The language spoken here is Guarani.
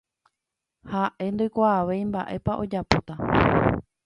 ha'e ndoikuaavéi mba'épa ojapóta